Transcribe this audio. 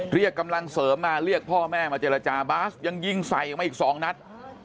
เรียกกำลังเสริมมาเรียกพ่อแม่มาเจรจาบาสยังยิงใส่ออกมาอีก๒นัด